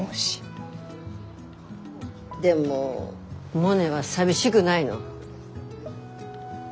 でもモネは寂しぐないの？